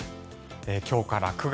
今日から９月。